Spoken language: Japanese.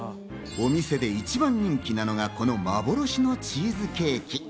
お店で一番人気なのは、この幻のチーズケーキ。